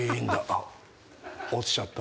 あっ！